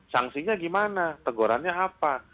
sanksinya gimana tegurannya apa